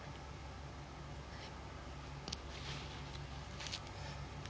はい。